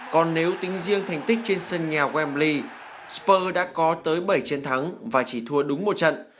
còn nếu tính riêng thành tích trên sân nhà wemli spur đã có tới bảy chiến thắng và chỉ thua đúng một trận